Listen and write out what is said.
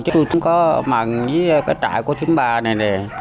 chứ tôi cũng có mặn với cái trại của thím ba này nè